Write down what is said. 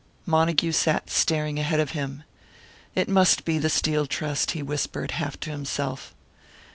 Montague sat staring ahead of him. "It must be the Steel Trust," he whispered, half to himself.